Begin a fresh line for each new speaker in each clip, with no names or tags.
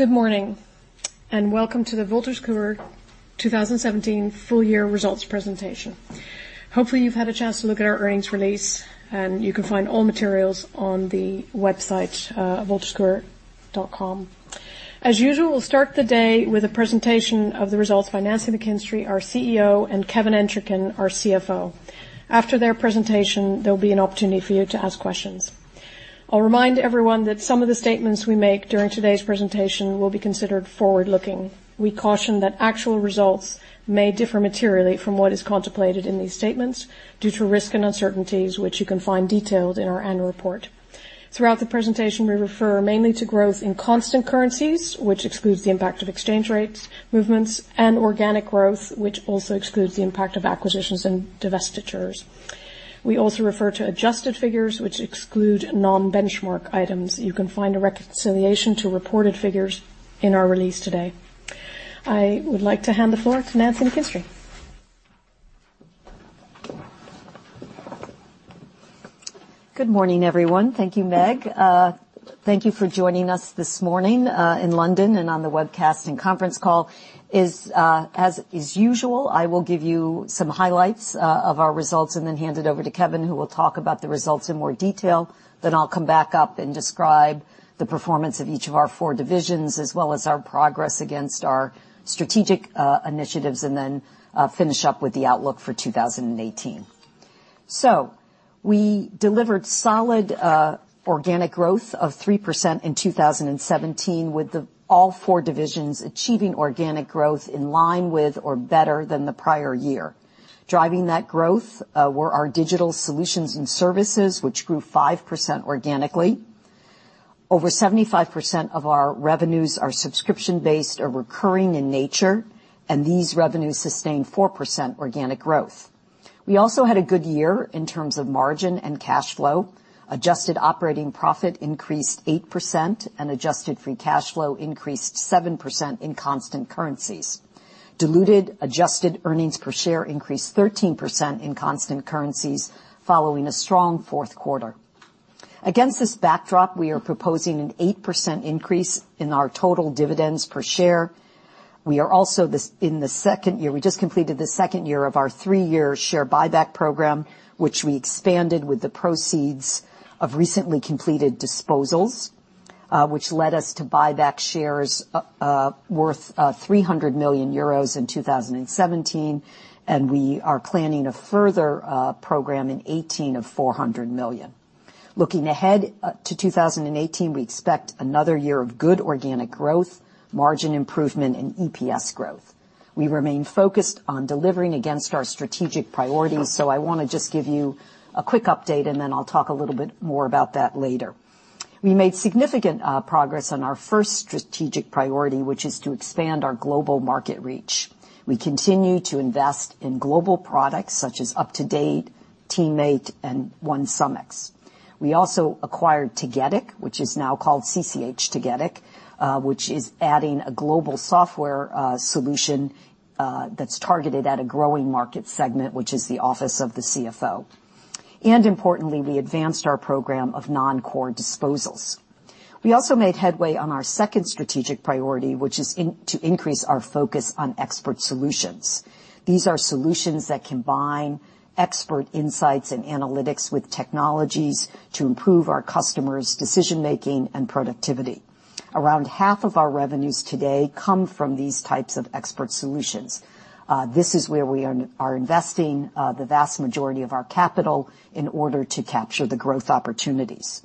Good morning, welcome to the Wolters Kluwer 2017 full year results presentation. Hopefully, you've had a chance to look at our earnings release. You can find all materials on the website, wolterskluwer.com. As usual, we'll start the day with a presentation of the results by Nancy McKinstry, our CEO, and Kevin Entricken, our CFO. After their presentation, there'll be an opportunity for you to ask questions. I'll remind everyone that some of the statements we make during today's presentation will be considered forward-looking. We caution that actual results may differ materially from what is contemplated in these statements due to risks and uncertainties, which you can find detailed in our annual report. Throughout the presentation, we refer mainly to growth in constant currencies, which excludes the impact of exchange rates, movements, and organic growth, which also excludes the impact of acquisitions and divestitures. We also refer to adjusted figures, which exclude non-benchmark items. You can find a reconciliation to reported figures in our release today. I would like to hand the floor to Nancy McKinstry.
Good morning, everyone. Thank you, Meg. Thank you for joining us this morning in London and on the webcast and conference call. As usual, I will give you some highlights of our results. Then hand it over to Kevin, who will talk about the results in more detail. I'll come back up and describe the performance of each of our four divisions, as well as our progress against our strategic initiatives. Then finish up with the outlook for 2018. We delivered solid organic growth of 3% in 2017, with all four divisions achieving organic growth in line with or better than the prior year. Driving that growth were our digital solutions and services, which grew 5% organically. Over 75% of our revenues are subscription-based or recurring in nature. These revenues sustained 4% organic growth. We also had a good year in terms of margin and cash flow. Adjusted operating profit increased 8%. Adjusted free cash flow increased 7% in constant currencies. Diluted adjusted earnings per share increased 13% in constant currencies following a strong fourth quarter. Against this backdrop, we are proposing an 8% increase in our total dividends per share. We just completed the second year of our three-year share buyback program, which we expanded with the proceeds of recently completed disposals, which led us to buy back shares worth €300 million in 2017. We are planning a further program in 2018 of 400 million. Looking ahead to 2018, we expect another year of good organic growth, margin improvement, and EPS growth. We remain focused on delivering against our strategic priorities. I want to just give you a quick update. I'll talk a little bit more about that later. We made significant progress on our first strategic priority, which is to expand our global market reach. We continue to invest in global products such as UpToDate, TeamMate, and OneSumX. We also acquired CCH Tagetik, which is now called CCH Tagetik, which is adding a global software solution that's targeted at a growing market segment, which is the office of the CFO. Importantly, we advanced our program of non-core disposals. We also made headway on our second strategic priority, which is to increase our focus on expert solutions. These are solutions that combine expert insights and analytics with technologies to improve our customers' decision-making and productivity. Around half of our revenues today come from these types of expert solutions. This is where we are investing the vast majority of our capital in order to capture the growth opportunities.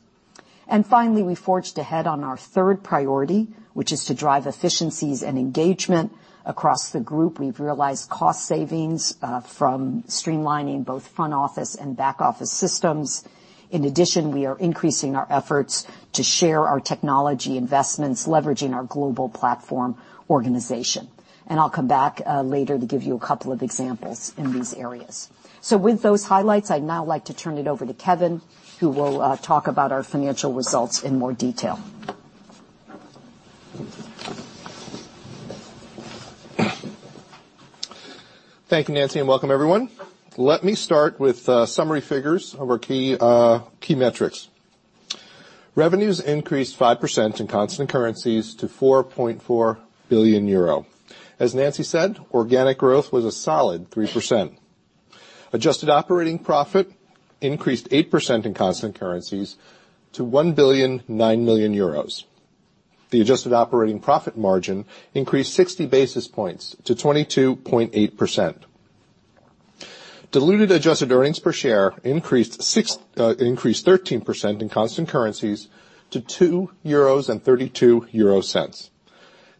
Finally, we forged ahead on our third priority, which is to drive efficiencies and engagement across the group. We've realized cost savings from streamlining both front-office and back-office systems. In addition, we are increasing our efforts to share our technology investments, leveraging our global platform organization. I'll come back later to give you a couple of examples in these areas. With those highlights, I'd now like to turn it over to Kevin, who will talk about our financial results in more detail.
Thank you, Nancy, and welcome everyone. Let me start with summary figures of our key metrics. Revenues increased 5% in constant currencies to 4.4 billion euro. As Nancy said, organic growth was a solid 3%. Adjusted operating profit increased 8% in constant currencies to 1,009 billion. The adjusted operating profit margin increased 60 basis points to 22.8%. Diluted adjusted earnings per share increased 13% in constant currencies to 2.32 euros.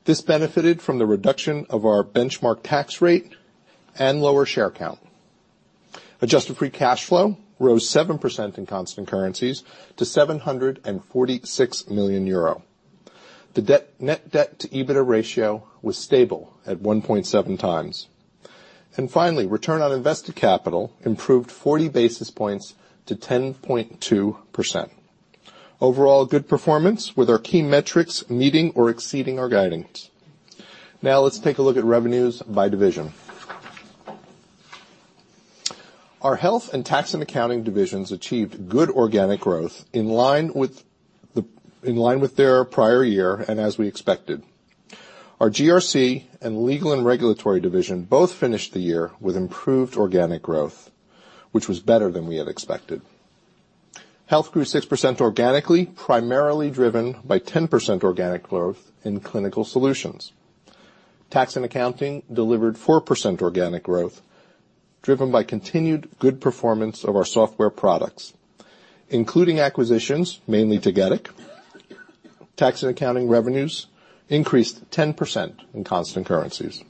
This benefited from the reduction of our benchmark tax rate and lower share count. Adjusted free cash flow rose 7% in constant currencies to 746 million euro. The net debt to EBITDA ratio was stable at 1.7 times. Finally, return on invested capital improved 40 basis points to 10.2%. Overall, good performance with our key metrics meeting or exceeding our guidance. Let's take a look at revenues by division. Our Health and Tax & Accounting divisions achieved good organic growth in line with their prior year, and as we expected. Our GRC and Legal & Regulatory division both finished the year with improved organic growth, which was better than we had expected. Health grew 6% organically, primarily driven by 10% organic growth in Clinical Solutions. Tax & Accounting delivered 4% organic growth, driven by continued good performance of our software products, including acquisitions, mainly Tagetik. Tax & Accounting revenues increased 10% in constant currencies.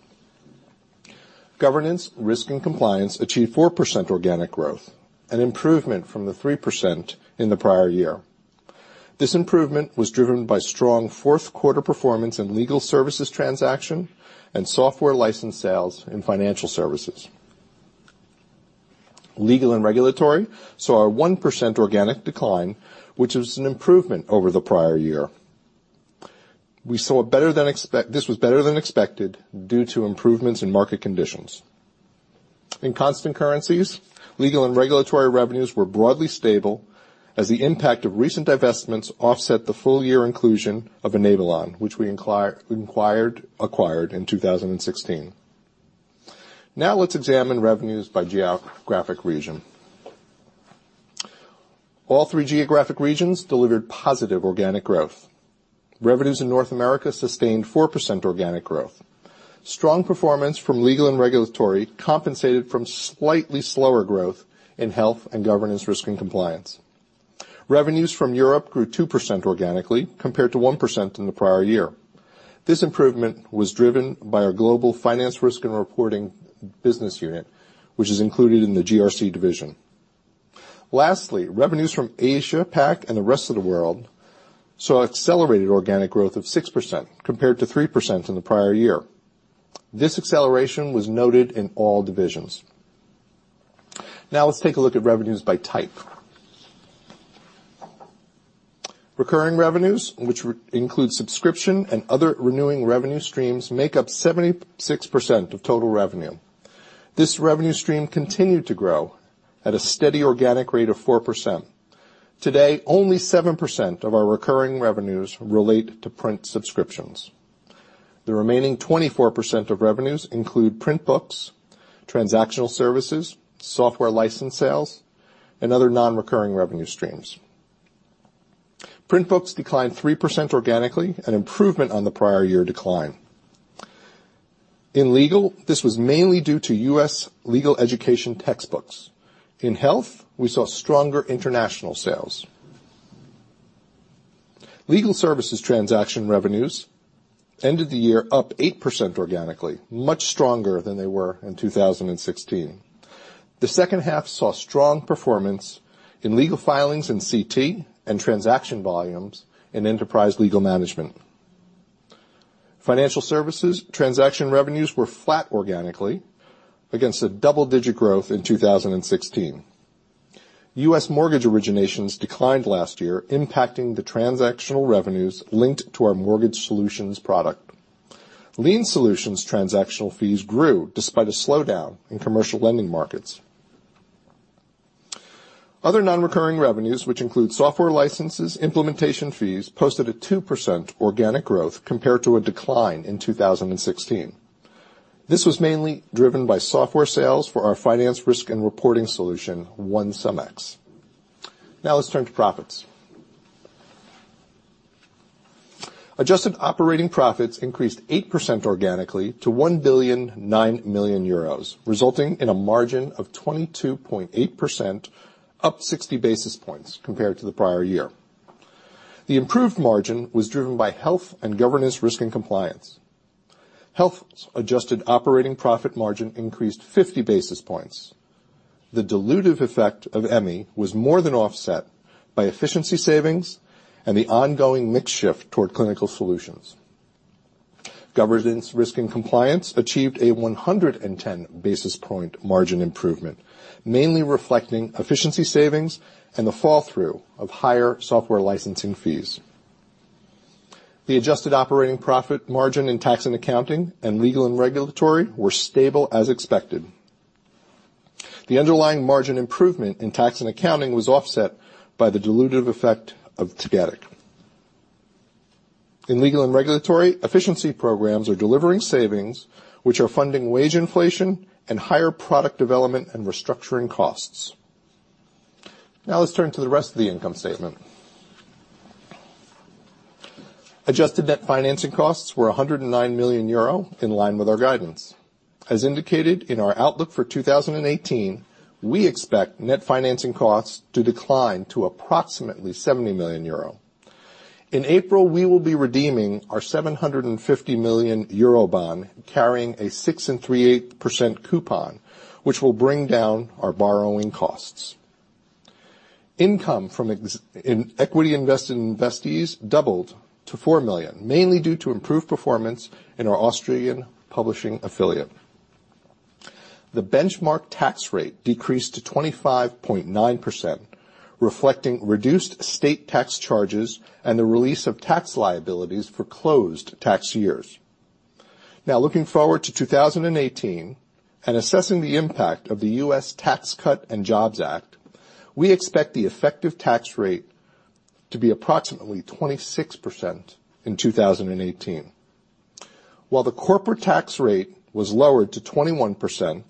Governance, Risk & Compliance achieved 4% organic growth, an improvement from the 3% in the prior year. This improvement was driven by strong fourth quarter performance in legal services transaction and software license sales in financial services. Legal & Regulatory saw a 1% organic decline, which was an improvement over the prior year. This was better than expected due to improvements in market conditions. In constant currencies, Legal & Regulatory revenues were broadly stable as the impact of recent divestments offset the full year inclusion of Enablon, which we acquired in 2016. Let's examine revenues by geographic region. All three geographic regions delivered positive organic growth. Revenues in North America sustained 4% organic growth. Strong performance from Legal & Regulatory compensated from slightly slower growth in Health and Governance, Risk & Compliance. Revenues from Europe grew 2% organically compared to 1% in the prior year. This improvement was driven by our Global Finance, Risk & Reporting business unit, which is included in the GRC division. Revenues from Asia Pacific and the rest of the world saw accelerated organic growth of 6% compared to 3% in the prior year. This acceleration was noted in all divisions. Let's take a look at revenues by type. Recurring revenues, which include subscription and other renewing revenue streams, make up 76% of total revenue. This revenue stream continued to grow at a steady organic rate of 4%. Today, only 7% of our recurring revenues relate to print subscriptions. The remaining 24% of revenues include print books, transactional services, software license sales, and other non-recurring revenue streams. Print books declined 3% organically, an improvement on the prior year decline. In Legal, this was mainly due to U.S. legal education textbooks. In Health, we saw stronger international sales. Legal services transaction revenues ended the year up 8% organically, much stronger than they were in 2016. The second half saw strong performance in legal filings in CT Corporation and transaction volumes in Enterprise Legal Management. Financial services transaction revenues were flat organically against a double-digit growth in 2016. U.S. mortgage originations declined last year, impacting the transactional revenues linked to our mortgage solutions product. Lien Solutions transactional fees grew despite a slowdown in commercial lending markets. Other non-recurring revenues, which include software licenses, implementation fees, posted a 2% organic growth compared to a decline in 2016. This was mainly driven by software sales for our Finance, Risk & Reporting solution, OneSumX. Let's turn to profits. Adjusted operating profits increased 8% organically to 1,009 million euros, resulting in a margin of 22.8%, up 60 basis points compared to the prior year. The improved margin was driven by Health and Governance, Risk & Compliance. Health's adjusted operating profit margin increased 50 basis points. The dilutive effect of M&A was more than offset by efficiency savings and the ongoing mix shift toward clinical solutions. Governance, Risk & Compliance achieved a 110-basis point margin improvement, mainly reflecting efficiency savings and the fall through of higher software licensing fees. The adjusted operating profit margin in Tax & Accounting and Legal & Regulatory were stable as expected. The underlying margin improvement in Tax & Accounting was offset by the dilutive effect of Tagetik. In Legal & Regulatory, efficiency programs are delivering savings which are funding wage inflation and higher product development and restructuring costs. Let's turn to the rest of the income statement. Adjusted net financing costs were 109 million euro, in line with our guidance. As indicated in our outlook for 2018, we expect net financing costs to decline to approximately 70 million euro. In April, we will be redeeming our 750 million euro bond carrying a 6.38% coupon, which will bring down our borrowing costs. Income in equity investees doubled to 4 million, mainly due to improved performance in our Austrian publishing affiliate. The benchmark tax rate decreased to 25.9%, reflecting reduced state tax charges and the release of tax liabilities for closed tax years. Looking forward to 2018 and assessing the impact of the U.S. Tax Cuts and Jobs Act, we expect the effective tax rate to be approximately 26% in 2018. While the corporate tax rate was lowered to 21%,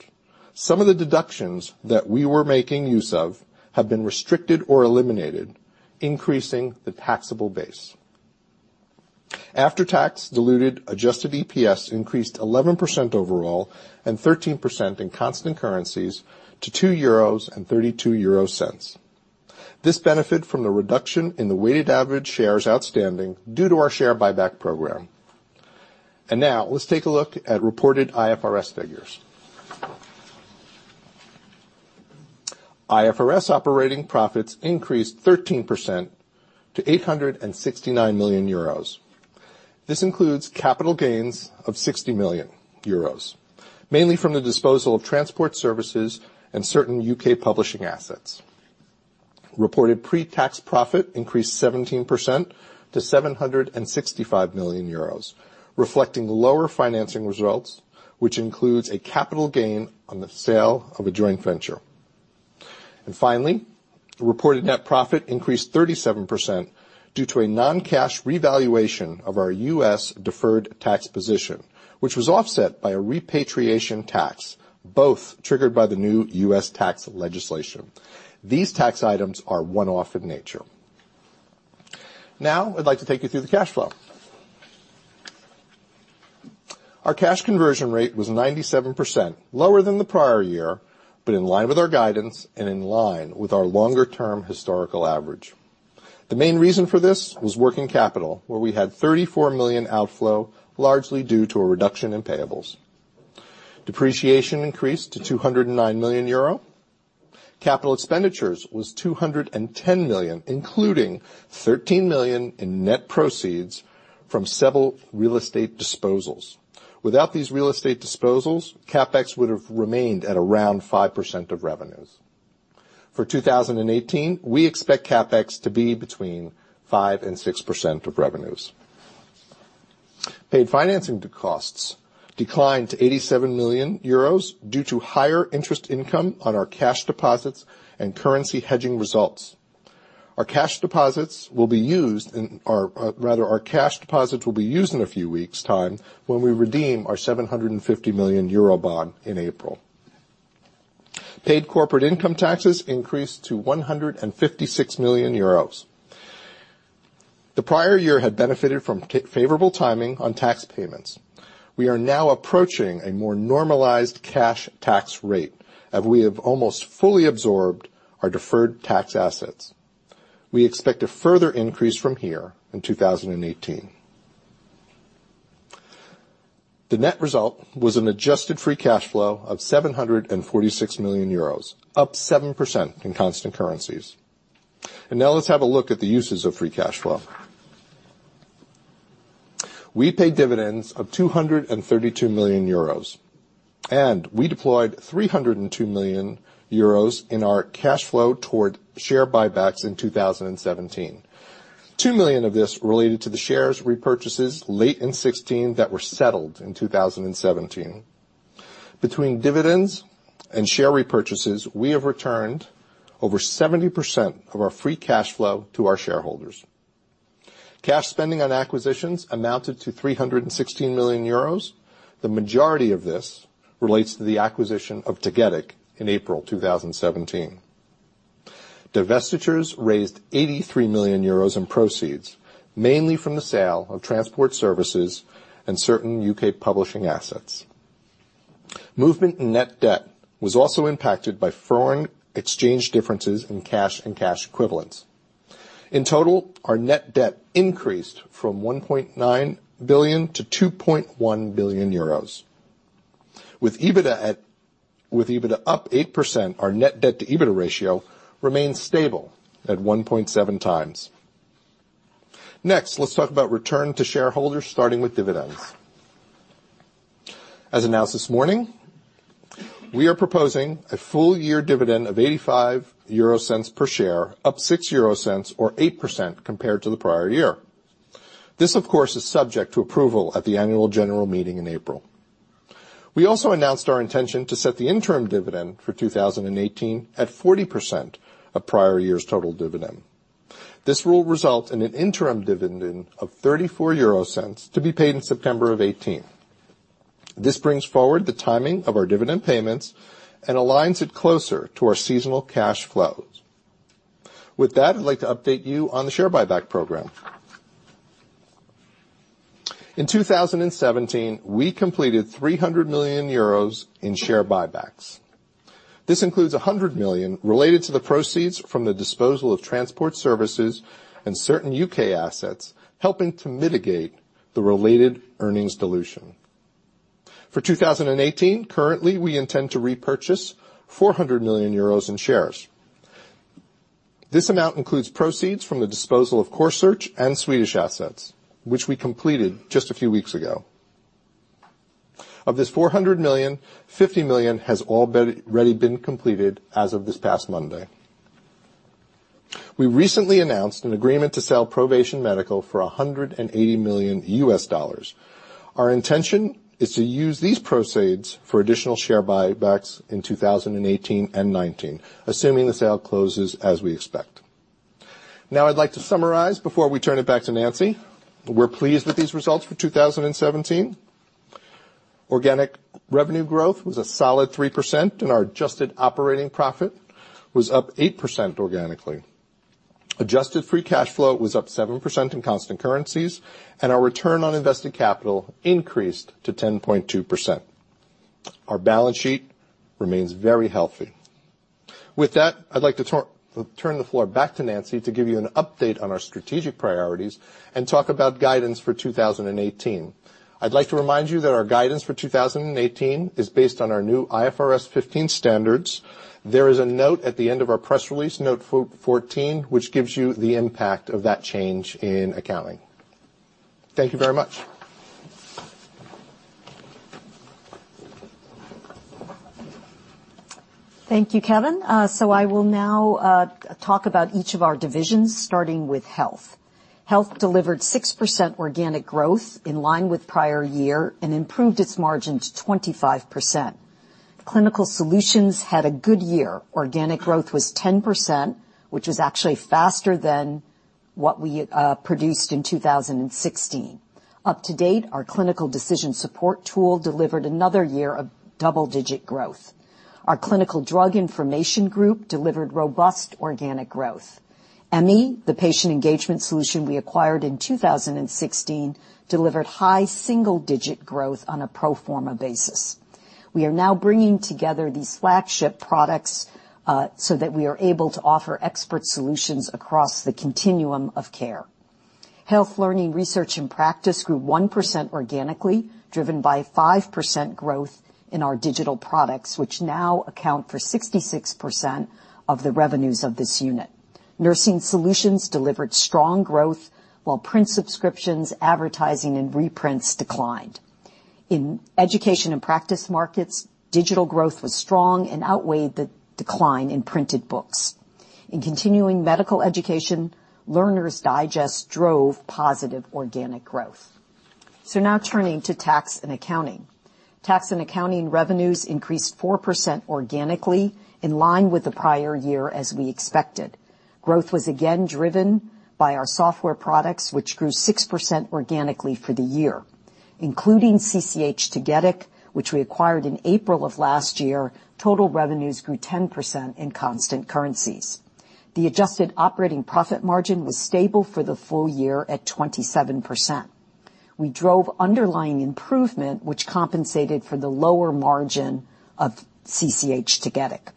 some of the deductions that we were making use of have been restricted or eliminated, increasing the taxable base. After-tax diluted adjusted EPS increased 11% overall and 13% in constant currencies to €2.32. This benefited from the reduction in the weighted average shares outstanding due to our share buyback program. Now let's take a look at reported IFRS figures. IFRS operating profits increased 13% to €869 million. This includes capital gains of €60 million, mainly from the disposal of Transport Services and certain U.K. publishing assets. Reported pre-tax profit increased 17% to €765 million, reflecting lower financing results, which includes a capital gain on the sale of a joint venture. Finally, reported net profit increased 37% due to a non-cash revaluation of our U.S. deferred tax position, which was offset by a repatriation tax, both triggered by the new U.S. tax legislation. These tax items are one-off in nature. I'd like to take you through the cash flow. Our cash conversion rate was 97%, lower than the prior year, but in line with our guidance and in line with our longer-term historical average. The main reason for this was working capital, where we had 34 million outflow, largely due to a reduction in payables. Depreciation increased to €209 million. Capital expenditures was 210 million, including 13 million in net proceeds from several real estate disposals. Without these real estate disposals, CapEx would have remained at around 5% of revenues. For 2018, we expect CapEx to be between 5%-6% of revenues. Paid financing costs declined to €87 million due to higher interest income on our cash deposits and currency hedging results. Our cash deposits will be used in a few weeks when we redeem our €750 million bond in April. Paid corporate income taxes increased to €156 million. The prior year had benefited from favorable timing on tax payments. We are now approaching a more normalized cash tax rate as we have almost fully absorbed our deferred tax assets. We expect a further increase from here in 2018. The net result was an adjusted free cash flow of €746 million, up 7% in constant currencies. Now let's have a look at the uses of free cash flow. We paid dividends of €232 million. We deployed €302 million in our cash flow toward share buybacks in 2017. 2 million of this related to the shares repurchases late in 2016 that were settled in 2017. Between dividends and share repurchases, we have returned over 70% of our free cash flow to our shareholders. Cash spending on acquisitions amounted to €316 million. The majority of this relates to the acquisition of Tagetik in April 2017. Divestitures raised €83 million in proceeds, mainly from the sale of Transport Services and certain U.K. publishing assets. Movement in net debt was also impacted by foreign exchange differences in cash and cash equivalents. In total, our net debt increased from 1.9 billion to €2.1 billion. With EBITDA up 8%, our net debt to EBITDA ratio remains stable at 1.7 times. Let's talk about return to shareholders, starting with dividends. As announced this morning, we are proposing a full-year dividend of 0.85 per share, up 0.06 or 8% compared to the prior year. This, of course, is subject to approval at the annual general meeting in April. We also announced our intention to set the interim dividend for 2018 at 40% of prior year's total dividend. This will result in an interim dividend of 0.34 to be paid in September of 2018. This brings forward the timing of our dividend payments and aligns it closer to our seasonal cash flows. I'd like to update you on the share buyback program. In 2017, we completed 300 million euros in share buybacks. This includes 100 million related to the proceeds from the disposal of Transport Services and certain U.K. assets, helping to mitigate the related earnings dilution. For 2018, currently, we intend to repurchase 400 million euros in shares. This amount includes proceeds from the disposal of Corsearch and Swedish Assets, which we completed just a few weeks ago. Of this 400 million, 50 million has already been completed as of this past Monday. We recently announced an agreement to sell ProVation Medical for $180 million. Our intention is to use these proceeds for additional share buybacks in 2018 and 2019, assuming the sale closes as we expect. I'd like to summarize before we turn it back to Nancy. We're pleased with these results for 2017. Organic revenue growth was a solid 3%, and our adjusted operating profit was up 8% organically. Adjusted free cash flow was up 7% in constant currencies, and our return on invested capital increased to 10.2%. Our balance sheet remains very healthy. I'd like to turn the floor back to Nancy to give you an update on our strategic priorities and talk about guidance for 2018. I'd like to remind you that our guidance for 2018 is based on our new IFRS 15 standards. There is a note at the end of our press release, note 14, which gives you the impact of that change in accounting. Thank you very much.
Thank you, Kevin. I will now talk about each of our divisions starting with Health. Health delivered 6% organic growth in line with prior year and improved its margin to 25%. Clinical Solutions had a good year. Organic growth was 10%, which was actually faster than what we produced in 2016. UpToDate, our clinical decision support tool, delivered another year of double-digit growth. Our Clinical Drug Information Group delivered robust organic growth. Emmi, the patient engagement solution we acquired in 2016, delivered high single-digit growth on a pro forma basis. We are now bringing together these flagship products so that we are able to offer expert solutions across the continuum of care. Health Learning, Research and Practice grew 1% organically, driven by 5% growth in our digital products, which now account for 66% of the revenues of this unit. Nursing Solutions delivered strong growth, while print subscriptions, advertising, and reprints declined. In education and practice markets, digital growth was strong and outweighed the decline in printed books. In continuing medical education, Learner's Digest drove positive organic growth. Now turning to Tax & Accounting. Tax & Accounting revenues increased 4% organically in line with the prior year as we expected. Growth was again driven by our software products, which grew 6% organically for the year. Including CCH Tagetik, which we acquired in April of last year, total revenues grew 10% in constant currencies. The adjusted operating profit margin was stable for the full year at 27%. We drove underlying improvement, which compensated for the lower margin of CCH Tagetik.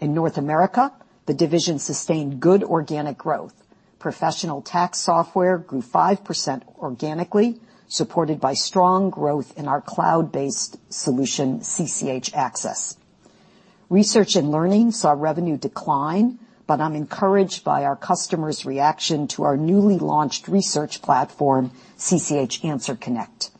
In North America, the division sustained good organic growth. Professional tax software grew 5% organically, supported by strong growth in our cloud-based solution, CCH Axcess. Research and learning saw revenue decline, but I'm encouraged by our customers' reaction to our newly launched research platform, CCH AnswerConnect.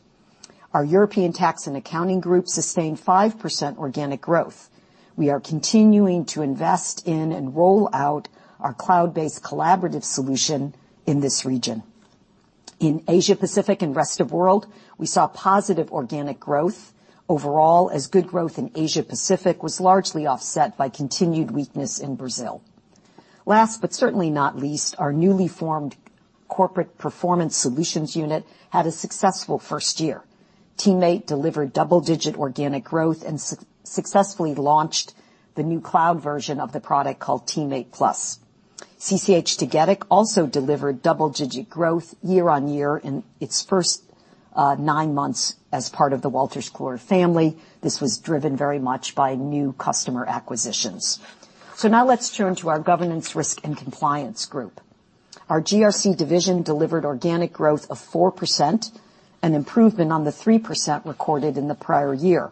Our European Tax & Accounting group sustained 5% organic growth. We are continuing to invest in and roll out our cloud-based collaborative solution in this region. In Asia-Pacific and rest of world, we saw positive organic growth overall as good growth in Asia-Pacific was largely offset by continued weakness in Brazil. Last but certainly not least, our newly formed Corporate Performance Solutions unit had a successful first year. TeamMate delivered double-digit organic growth and successfully launched the new cloud version of the product called TeamMate+. CCH Tagetik also delivered double-digit growth year-on-year in its first nine months as part of the Wolters Kluwer family. This was driven very much by new customer acquisitions. Now let's turn to our Governance, Risk & Compliance group. Our GRC division delivered organic growth of 4%, an improvement on the 3% recorded in the prior year.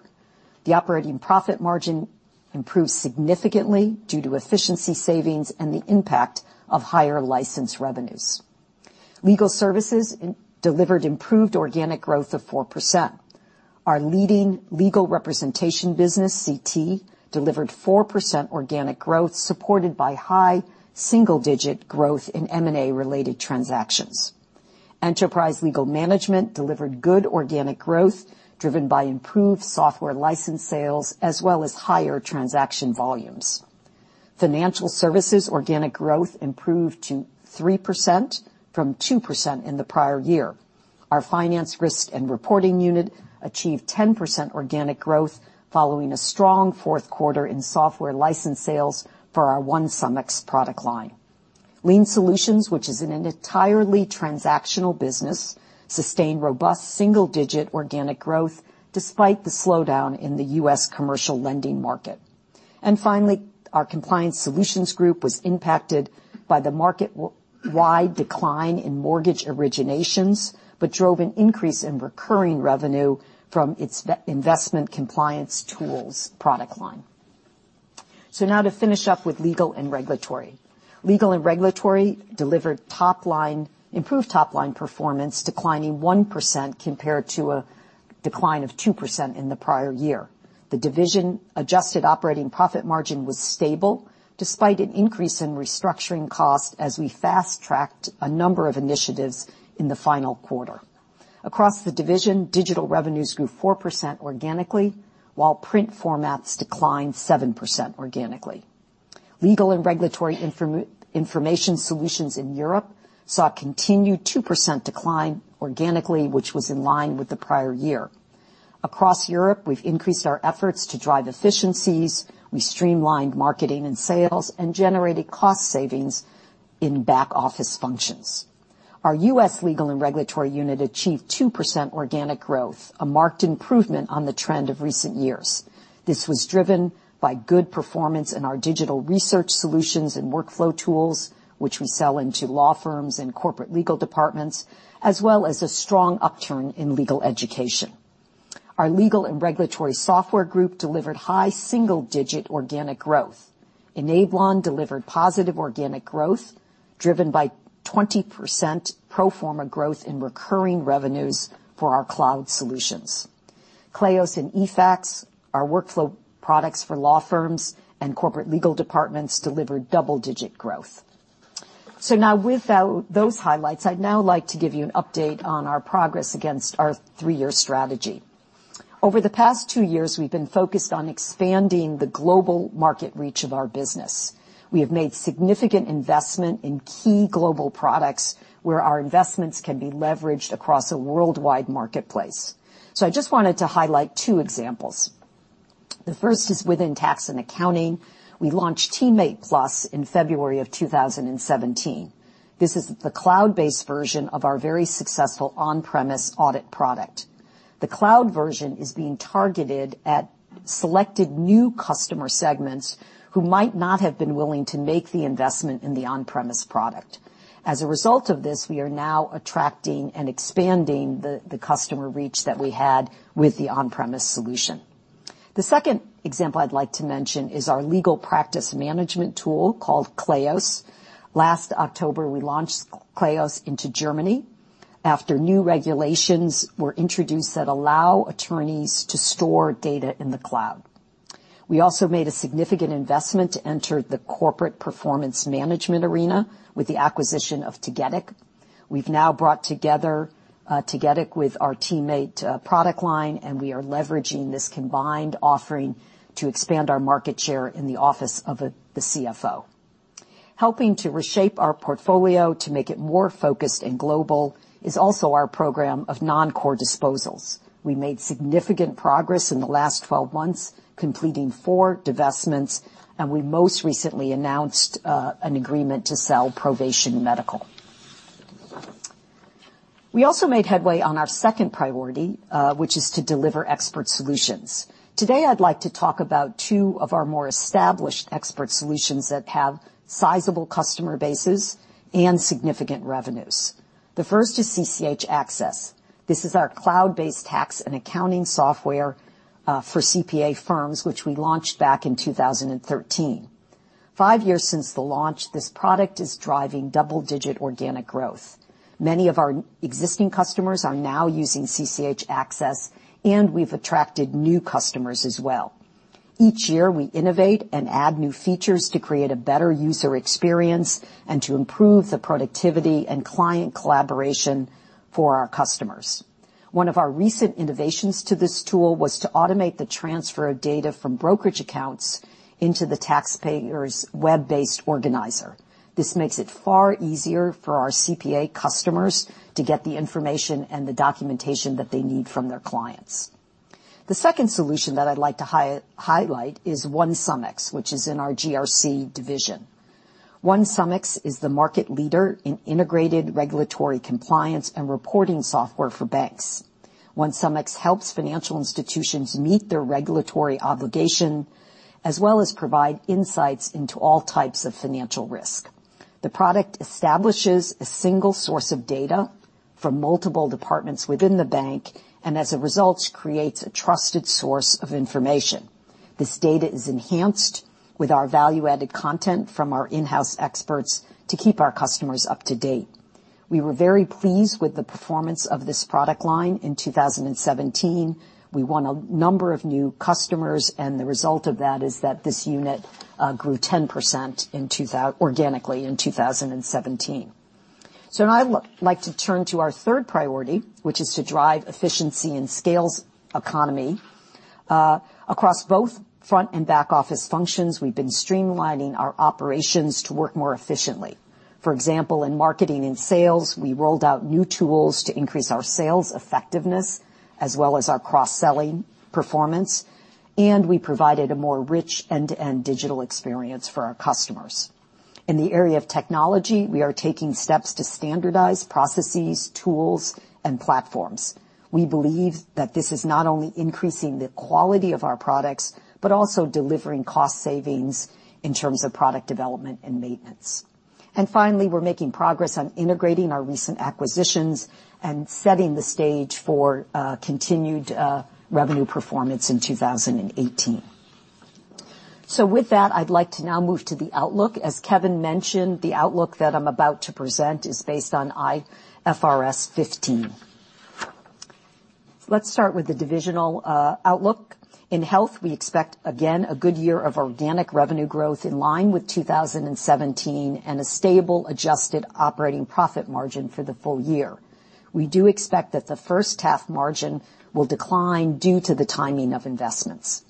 The operating profit margin improved significantly due to efficiency savings and the impact of higher license revenues. Legal services delivered improved organic growth of 4%. Our leading legal representation business, CT, delivered 4% organic growth supported by high single-digit growth in M&A-related transactions. Enterprise Legal Management delivered good organic growth driven by improved software license sales as well as higher transaction volumes. Financial services organic growth improved to 3% from 2% in the prior year. Our finance risk and reporting unit achieved 10% organic growth following a strong fourth quarter in software license sales for our OneSumX product line. Lien Solutions, which is an entirely transactional business, sustained robust single-digit organic growth despite the slowdown in the U.S. commercial lending market. And finally, our Compliance Solutions group was impacted by the market-wide decline in mortgage originations but drove an increase in recurring revenue from its investment compliance tools product line. Now to finish up with Legal & Regulatory. Legal & Regulatory delivered improved top-line performance, declining 1% compared to a decline of 2% in the prior year. The division adjusted operating profit margin was stable despite an increase in restructuring costs as we fast-tracked a number of initiatives in the final quarter. Across the division, digital revenues grew 4% organically while print formats declined 7% organically. Legal & Regulatory information solutions in Europe saw a continued 2% decline organically, which was in line with the prior year. Across Europe, we've increased our efforts to drive efficiencies, we streamlined marketing and sales, and generated cost savings in back-office functions. Our U.S. Legal & Regulatory unit achieved 2% organic growth, a marked improvement on the trend of recent years. This was driven by good performance in our digital research solutions and workflow tools, which we sell into law firms and corporate legal departments, as well as a strong upturn in legal education. Our Legal & Regulatory software group delivered high single-digit organic growth. Enablon delivered positive organic growth, driven by 20% pro forma growth in recurring revenues for our cloud solutions. Kleos and eFax, our workflow products for law firms and corporate legal departments, delivered double-digit growth. With those highlights, I'd now like to give you an update on our progress against our three-year strategy. Over the past two years, we've been focused on expanding the global market reach of our business. We have made significant investment in key global products where our investments can be leveraged across a worldwide marketplace. I just wanted to highlight two examples. The first is within Tax & Accounting. We launched TeamMate+ in February of 2017. This is the cloud-based version of our very successful on-premise audit product. The cloud version is being targeted at selected new customer segments who might not have been willing to make the investment in the on-premise product. As a result of this, we are now attracting and expanding the customer reach that we had with the on-premise solution. The second example I'd like to mention is our legal practice management tool called Kleos. Last October, we launched Kleos into Germany after new regulations were introduced that allow attorneys to store data in the cloud. We also made a significant investment to enter the corporate performance management arena with the acquisition of CCH Tagetik. We've now brought together CCH Tagetik with our TeamMate product line, and we are leveraging this combined offering to expand our market share in the office of the CFO. Helping to reshape our portfolio to make it more focused and global is also our program of non-core disposals. We made significant progress in the last 12 months, completing four divestments, and we most recently announced an agreement to sell ProVation Medical. We also made headway on our second priority, which is to deliver expert solutions. Today, I'd like to talk about two of our more established expert solutions that have sizable customer bases and significant revenues. The first is CCH Axcess. This is our cloud-based tax and accounting software for CPA firms, which we launched back in 2013. Five years since the launch, this product is driving double-digit organic growth. Many of our existing customers are now using CCH Axcess, and we've attracted new customers as well. Each year, we innovate and add new features to create a better user experience and to improve the productivity and client collaboration for our customers. One of our recent innovations to this tool was to automate the transfer of data from brokerage accounts into the taxpayer's web-based organizer. This makes it far easier for our CPA customers to get the information and the documentation that they need from their clients. The second solution that I'd like to highlight is OneSumX, which is in our GRC division. OneSumX is the market leader in integrated regulatory compliance and reporting software for banks. OneSumX helps financial institutions meet their regulatory obligation, as well as provide insights into all types of financial risk. The product establishes a single source of data for multiple departments within the bank, as a result, creates a trusted source of information. This data is enhanced with our value-added content from our in-house experts to keep our customers up to date. We were very pleased with the performance of this product line in 2017. We won a number of new customers, the result of that is that this unit grew 10% organically in 2017. Now I would like to turn to our third priority, which is to drive efficiency and scales economy. Across both front and back-office functions, we've been streamlining our operations to work more efficiently. For example, in marketing and sales, we rolled out new tools to increase our sales effectiveness as well as our cross-selling performance, we provided a more rich end-to-end digital experience for our customers. In the area of technology, we are taking steps to standardize processes, tools, and platforms. We believe that this is not only increasing the quality of our products but also delivering cost savings in terms of product development and maintenance. Finally, we're making progress on integrating our recent acquisitions and setting the stage for continued revenue performance in 2018. With that, I'd like to now move to the outlook. As Kevin mentioned, the outlook that I'm about to present is based on IFRS 15. Let's start with the divisional outlook. In health, we expect, again, a good year of organic revenue growth in line with 2017 and a stable adjusted operating profit margin for the full year. We do expect that the first half margin will decline due to the timing of investments.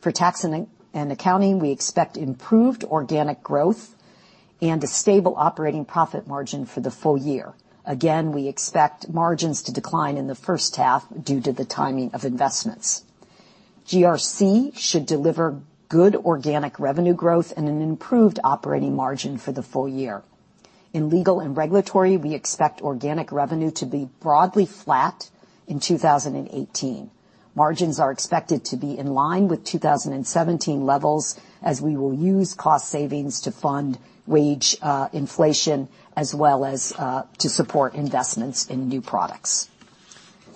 For Tax & Accounting, we expect improved organic growth and a stable operating profit margin for the full year. Again, we expect margins to decline in the first half due to the timing of investments. GRC should deliver good organic revenue growth and an improved operating margin for the full year. In Legal & Regulatory, we expect organic revenue to be broadly flat in 2018. Margins are expected to be in line with 2017 levels, as we will use cost savings to fund wage inflation as well as to support investments in new products.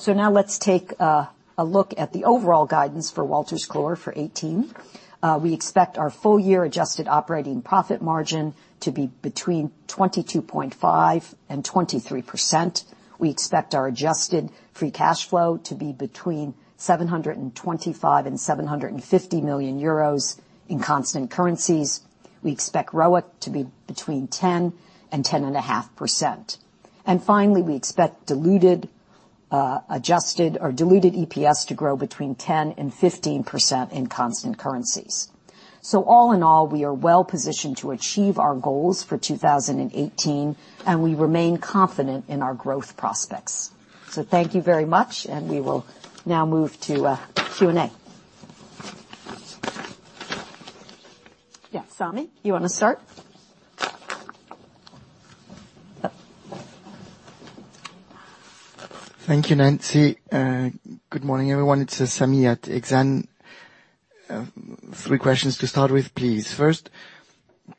Now let's take a look at the overall guidance for Wolters Kluwer for 2018. We expect our full year adjusted operating profit margin to be between 22.5%-23%. We expect our adjusted free cash flow to be between 725 million-750 million euros in constant currencies. We expect ROIC to be between 10%-10.5%. Finally, we expect diluted EPS to grow between 10%-15% in constant currencies. All in all, we are well positioned to achieve our goals for 2018, we remain confident in our growth prospects. Thank you very much, we will now move to Q&A. Sammy, you want to start?
Thank you, Nancy. Good morning, everyone. It's Sammy at Exane. Three questions to start with, please. First,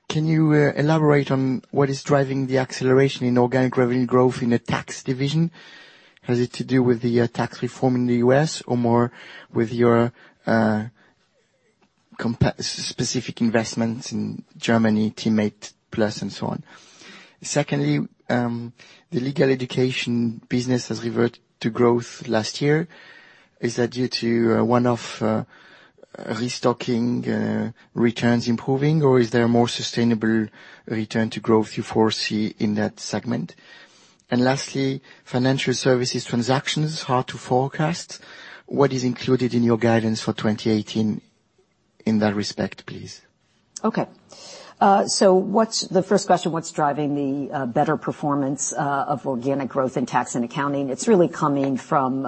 can you elaborate on what is driving the acceleration in organic revenue growth in the tax division? Has it to do with the tax reform in the U.S. or more with your specific investments in Germany, TeamMate+ and so on? Secondly, the legal education business has reverted to growth last year. Is that due to one-off restocking returns improving, or is there a more sustainable return to growth you foresee in that segment? Lastly, financial services transactions, hard to forecast. What is included in your guidance for 2018 in that respect, please?
Okay. The first question, what's driving the better performance of organic growth in Tax & Accounting? It's really coming from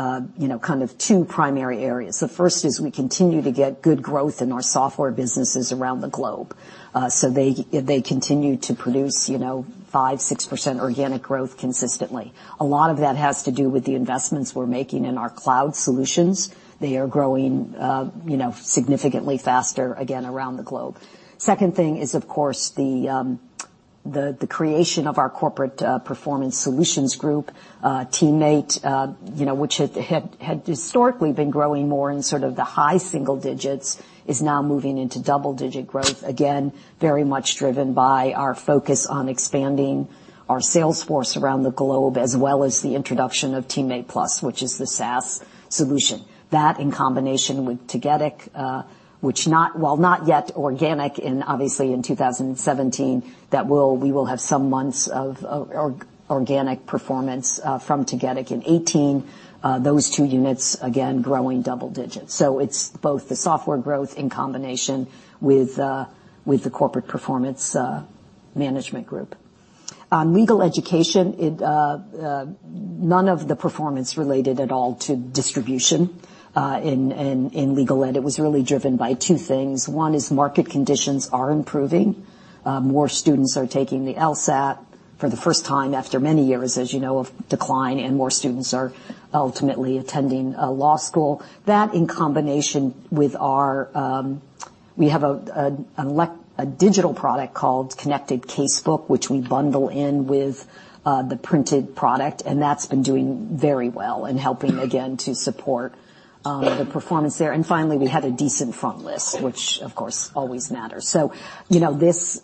kind of two primary areas. The first is we continue to get good growth in our software businesses around the globe. They continue to produce 5%, 6% organic growth consistently. A lot of that has to do with the investments we're making in our cloud solutions. They are growing significantly faster, again, around the globe. The second thing is, of course, the creation of our Corporate Performance Solutions group, TeamMate which had historically been growing more in sort of the high single digits, is now moving into double-digit growth. Again, very much driven by our focus on expanding our sales force around the globe as well as the introduction of TeamMate+, which is the SaaS solution. That in combination with Cegedim which while not yet organic, obviously in 2017, we will have some months of organic performance from Cegedim in 2018. Those two units, again, growing double-digits. It's both the software growth in combination with the corporate performance management group. On legal education, none of the performance related at all to distribution in legal ed. It was really driven by two things. One is market conditions are improving. More students are taking the LSAT for the first time after many years, as you know, of decline, and more students are ultimately attending law school. That in combination with our-- We have a digital product called Connected Casebook, which we bundle in with the printed product, and that's been doing very well and helping, again, to support the performance there. Finally, we had a decent front list, which, of course, always matters. It's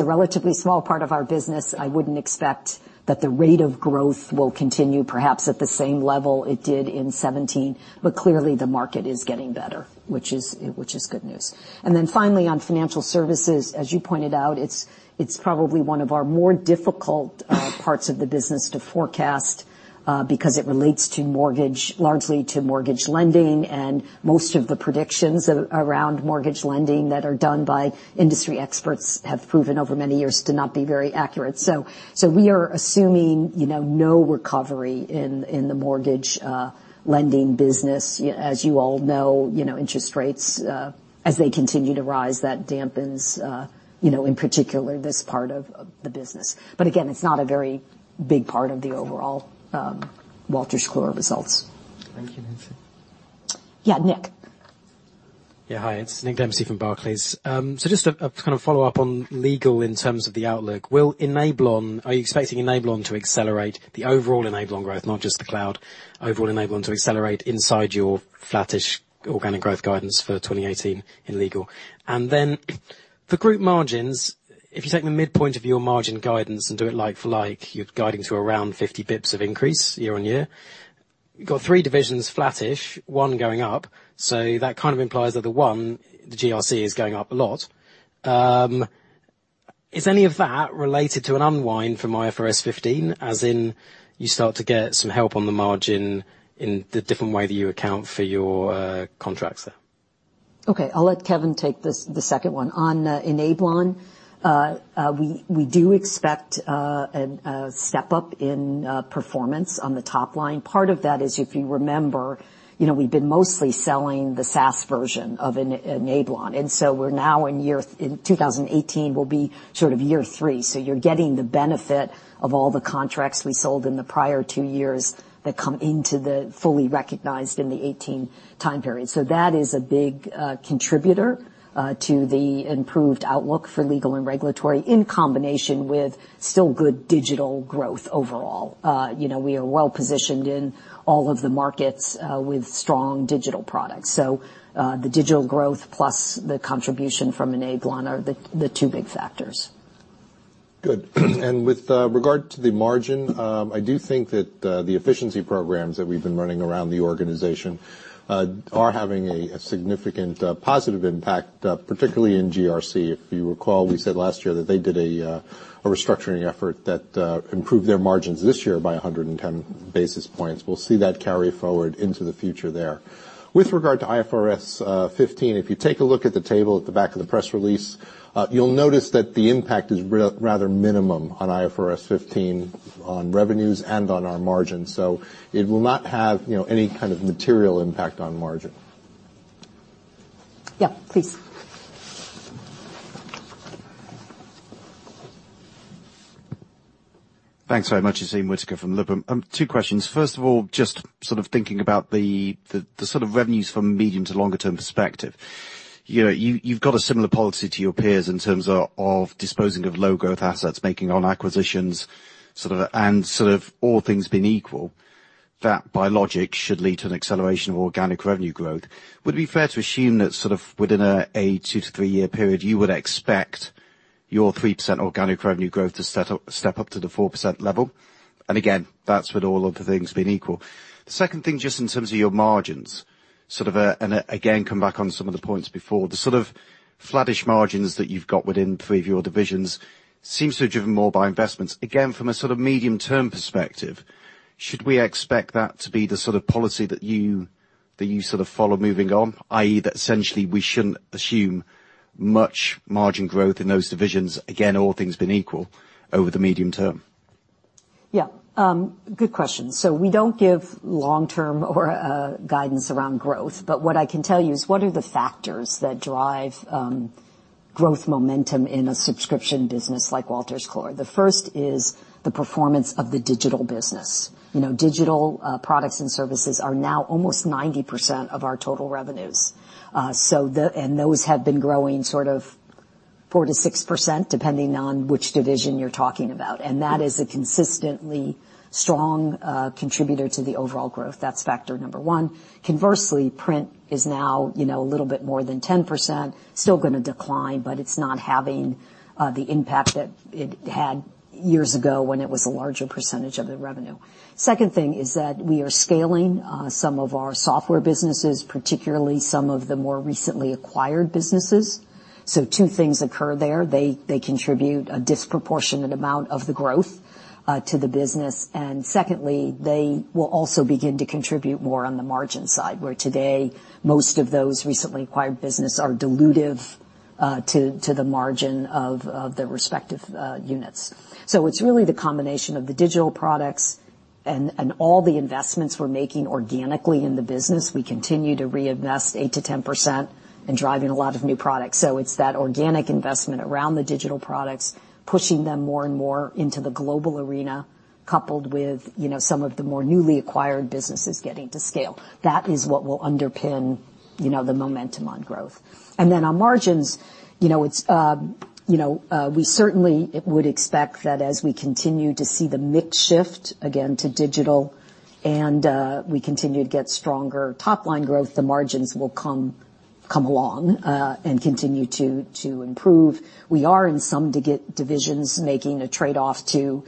a relatively small part of our business. I wouldn't expect that the rate of growth will continue perhaps at the same level it did in 2017. Clearly the market is getting better, which is good news. Finally on financial services, as you pointed out, it's probably one of our more difficult parts of the business to forecast because it relates largely to mortgage lending and most of the predictions around mortgage lending that are done by industry experts have proven over many years to not be very accurate. We are assuming no recovery in the mortgage lending business. As you all know, interest rates as they continue to rise, that dampens, in particular, this part of the business. Again, it's not a very big part of the overall Wolters Kluwer results.
Thank you, Nancy.
Yeah, Nick.
Yeah, hi. It's Nick Dempsey from Barclays. Just a follow-up on legal in terms of the outlook. Are you expecting Enablon to accelerate the overall Enablon growth, not just the cloud, overall Enablon to accelerate inside your flattish organic growth guidance for 2018 in legal? And then for group margins, if you take the midpoint of your margin guidance and do it like for like, you're guiding to around 50 basis points of increase year-on-year. You've got three divisions flattish, one going up, so that kind of implies that the one, the GRC, is going up a lot. Is any of that related to an unwind from IFRS 15, as in you start to get some help on the margin in the different way that you account for your contracts there?
Okay, I'll let Kevin Entricken take the second one. On Enablon, we do expect a step up in performance on the top line. Part of that is, if you remember, we've been mostly selling the SaaS version of Enablon. 2018 will be sort of year three. You're getting the benefit of all the contracts we sold in the prior two years that come into the fully recognized in the 2018 time period. That is a big contributor to the improved outlook for Legal & Regulatory, in combination with still good digital growth overall. We are well positioned in all of the markets with strong digital products. The digital growth plus the contribution from Enablon are the two big factors.
Good. With regard to the margin, I do think that the efficiency programs that we've been running around the organization are having a significant positive impact, particularly in GRC. If you recall, we said last year that they did a restructuring effort that improved their margins this year by 110 basis points. We'll see that carry forward into the future there. With regard to IFRS 15, if you take a look at the table at the back of the press release, you'll notice that the impact is rather minimum on IFRS 15 on revenues and on our margins. It will not have any kind of material impact on margin.
Yeah, please.
Thanks very much. It's Ian Whittaker from Liberum. Two questions. First of all, just sort of thinking about the sort of revenues from medium to longer term perspective. You've got a similar policy to your peers in terms of disposing of low growth assets, making on acquisitions, and sort of all things being equal, that by logic should lead to an acceleration of organic revenue growth. Would it be fair to assume that sort of within a two to three-year period, you would expect your 3% organic revenue growth to step up to the 4% level? Again, that's with all other things being equal. The second thing, just in terms of your margins, again, come back on some of the points before. The sort of flattish margins that you've got within three of your divisions seems to be driven more by investments. Again, from a sort of medium term perspective, should we expect that to be the sort of policy that you sort of follow moving on, i.e., that essentially we shouldn't assume much margin growth in those divisions, again, all things being equal, over the medium term?
Yeah. Good question. We don't give long-term or guidance around growth, but what I can tell you is what are the factors that drive growth momentum in a subscription business like Wolters Kluwer. The first is the performance of the digital business. Digital products and services are now almost 90% of our total revenues. Those have been growing sort of 4%-6%, depending on which division you're talking about. That is a consistently strong contributor to the overall growth. That's factor number one. Conversely, print is now a little bit more than 10%, still going to decline, but it's not having the impact that it had years ago when it was a larger percentage of the revenue. Second thing is that we are scaling some of our software businesses, particularly some of the more recently acquired businesses. Two things occur there. They contribute a disproportionate amount of the growth to the business. Secondly, they will also begin to contribute more on the margin side, where today, most of those recently acquired business are dilutive to the margin of the respective units. It's really the combination of the digital products and all the investments we're making organically in the business. We continue to reinvest 8%-10% in driving a lot of new products. It's that organic investment around the digital products, pushing them more and more into the global arena, coupled with some of the more newly acquired businesses getting to scale. That is what will underpin the momentum on growth. Then on margins, we certainly would expect that as we continue to see the mix shift again to digital and we continue to get stronger top-line growth, the margins will come along and continue to improve. We are in some divisions making a trade-off to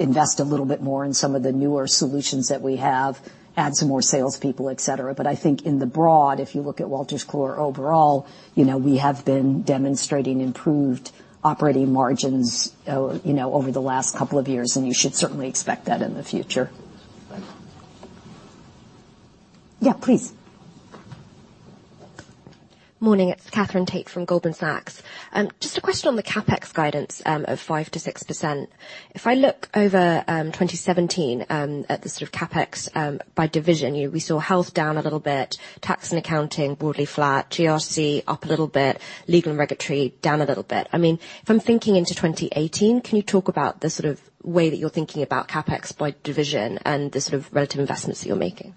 invest a little bit more in some of the newer solutions that we have, add some more salespeople, et cetera. I think in the broad, if you look at Wolters Kluwer overall, we have been demonstrating improved operating margins over the last couple of years, and you should certainly expect that in the future.
Thanks.
Yeah, please.
Morning, it's Katherine Tait from Goldman Sachs. Just a question on the CapEx guidance of 5%-6%. If I look over 2017, at the sort of CapEx by division, we saw health down a little bit, Tax & Accounting broadly flat, GRC up a little bit, Legal & Regulatory down a little bit. If I'm thinking into 2018, can you talk about the sort of way that you're thinking about CapEx by division and the sort of relative investments that you're making?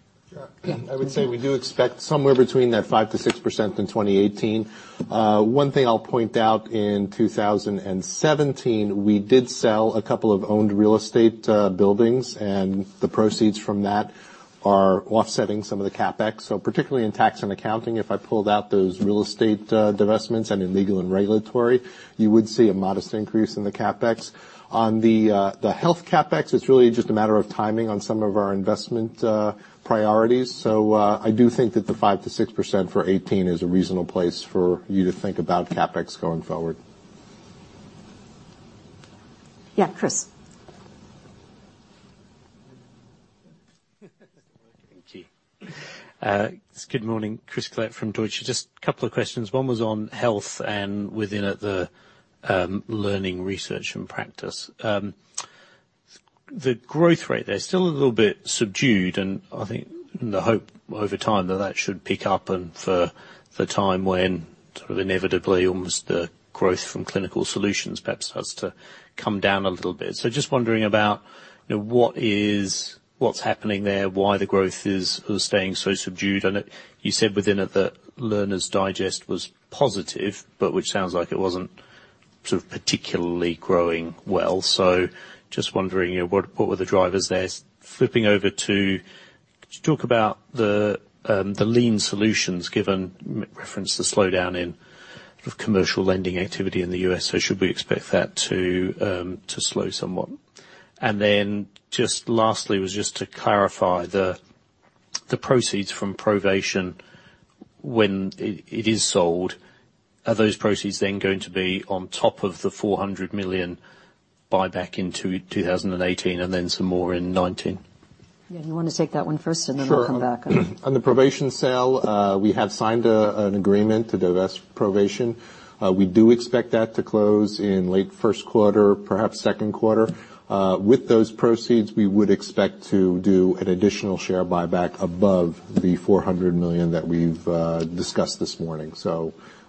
Yeah. I would say we do expect somewhere between that 5%-6% in 2018. One thing I'll point out, in 2017, we did sell a couple of owned real estate buildings, and the proceeds from that are offsetting some of the CapEx. Particularly in Tax & Accounting, if I pulled out those real estate divestments and in Legal & Regulatory, you would see a modest increase in the CapEx. On the health CapEx, it's really just a matter of timing on some of our investment priorities. I do think that the 5%-6% for 2018 is a reasonable place for you to think about CapEx going forward.
Yeah, Chris.
Thank you. Good morning, Chris Collett from Deutsche. Just a couple of questions. One was on health and within it, the learning, research, and practice. The growth rate there is still a little bit subdued, and I think the hope over time that that should pick up and for the time when sort of inevitably almost the growth from clinical solutions perhaps starts to come down a little bit. Just wondering about what's happening there, why the growth is staying so subdued. You said within it that Learner's Digest was positive, which sounds like it wasn't sort of particularly growing well. Just wondering what were the drivers there. Flipping over to talk about the Lien Solutions, given reference to slowdown in commercial lending activity in the U.S. Should we expect that to slow somewhat? Lastly, to clarify the proceeds from ProVation when it is sold, are those proceeds going to be on top of the 400 million buyback in 2018 and then some more in 2019?
Yeah, you want to take that one first, and then I'll come back.
Sure. On the ProVation sale, we have signed an agreement to divest ProVation. We do expect that to close in late first quarter, perhaps second quarter. With those proceeds, we would expect to do an additional share buyback above the 400 million that we've discussed this morning.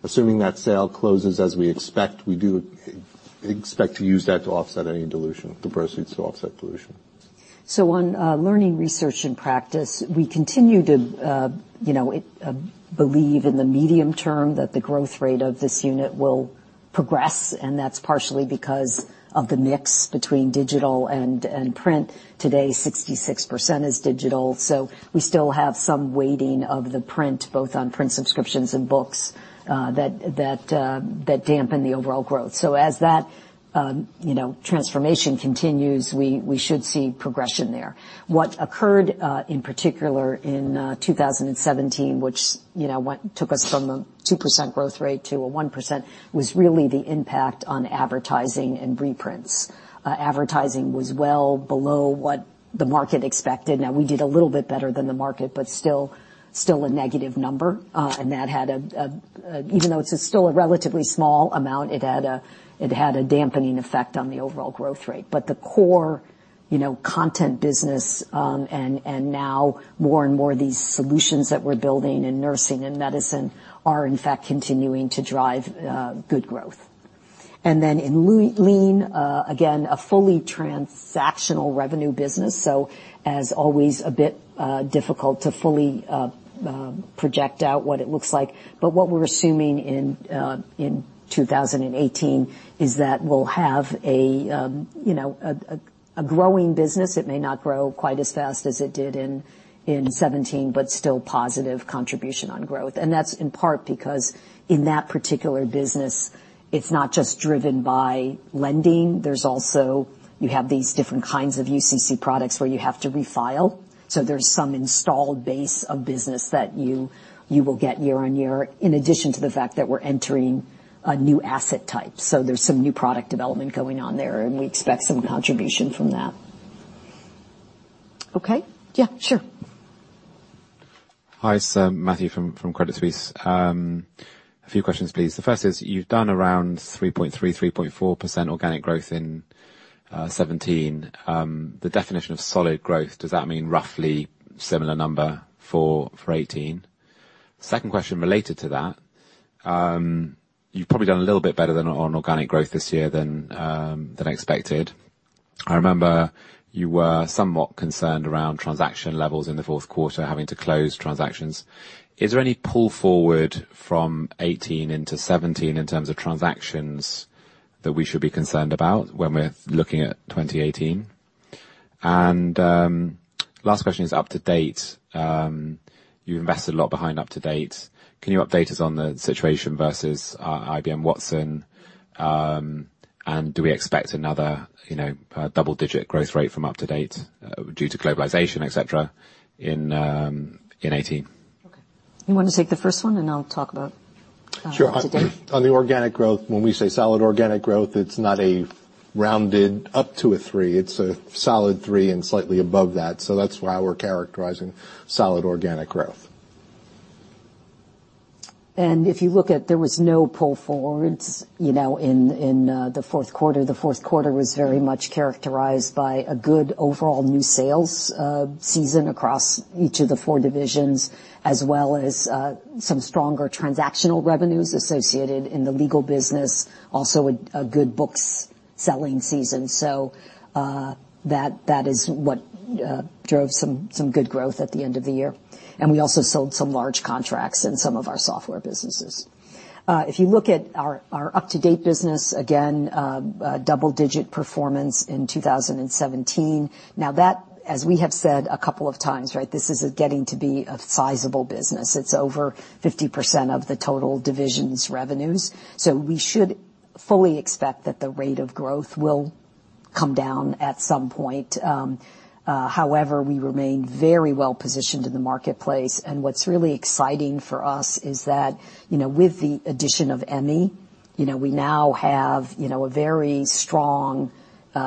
Assuming that sale closes as we expect, we do expect to use that to offset any dilution, the proceeds to offset dilution.
On learning, research, and practice, we continue to believe in the medium term that the growth rate of this unit will progress, and that's partially because of the mix between digital and print. Today, 66% is digital, so we still have some weighting of the print, both on print subscriptions and books, that dampen the overall growth. As that transformation continues, we should see progression there. What occurred, in particular in 2017, which took us from a 2% growth rate to a 1%, was really the impact on advertising and reprints. Advertising was well below what the market expected. Now, we did a little bit better than the market, but still a negative number. Even though it's still a relatively small amount, it had a dampening effect on the overall growth rate. The core content business, now more and more these solutions that we're building in nursing and medicine are in fact continuing to drive good growth. In Lien, again, a fully transactional revenue business, as always a bit difficult to fully project out what it looks like. What we're assuming in 2018 is that we'll have a growing business. It may not grow quite as fast as it did in 2017, but still positive contribution on growth. That's in part because in that particular business, it's not just driven by lending. There's also, you have these different kinds of UCC products where you have to refile. There's some installed base of business that you will get year-on-year, in addition to the fact that we're entering a new asset type. There's some new product development going on there, and we expect some contribution from that. Okay? Yeah, sure.
Hi. Matthew from Credit Suisse. A few questions, please. The first is, you've done around 3.3%-3.4% organic growth in 2017. The definition of solid growth, does that mean roughly similar number for 2018? Second question related to that. You've probably done a little bit better on organic growth this year than expected. I remember you were somewhat concerned around transaction levels in the fourth quarter, having to close transactions. Is there any pull forward from 2018 into 2017 in terms of transactions that we should be concerned about when we're looking at 2018? Last question is UpToDate. You've invested a lot behind UpToDate. Can you update us on the situation versus IBM Watson? Do we expect another double-digit growth rate from UpToDate due to globalization, et cetera, in 2018?
Okay. You want to take the first one, and I'll talk about UpToDate?
Sure. On the organic growth, when we say solid organic growth, it's not a rounded up to a 3, it's a solid 3 and slightly above that. That's why we're characterizing solid organic growth.
If you look at there was no pull forwards in the fourth quarter. The fourth quarter was very much characterized by a good overall new sales season across each of the four divisions, as well as some stronger transactional revenues associated in the legal business. Also a good books selling season. That is what drove some good growth at the end of the year. We also sold some large contracts in some of our software businesses. If you look at our UpToDate business, again, double-digit performance in 2017. Now that, as we have said a couple of times, this is getting to be a sizable business. It's over 50% of the total division's revenues, we should fully expect that the rate of growth will come down at some point. However, we remain very well-positioned in the marketplace. What's really exciting for us is that, with the addition of Emmi, we now have a very strong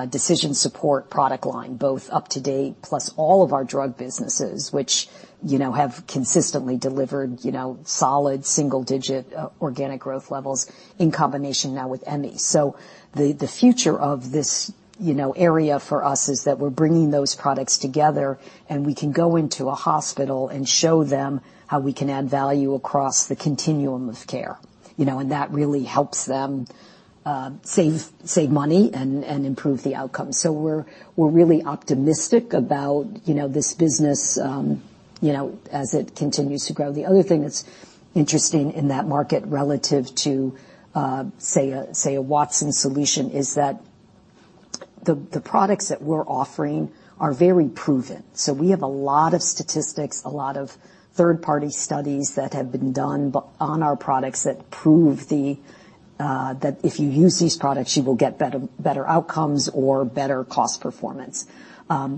decision support product line, both UpToDate plus all of our drug businesses, which have consistently delivered solid single-digit organic growth levels in combination now with Emmi. The future of this area for us is that we're bringing those products together, and we can go into a hospital and show them how we can add value across the continuum of care. That really helps them save money and improve the outcome. We're really optimistic about this business as it continues to grow. The other thing that's interesting in that market relative to, say, a Watson solution, is that the products that we're offering are very proven. We have a lot of statistics, a lot of third-party studies that have been done on our products that prove that if you use these products, you will get better outcomes or better cost performance.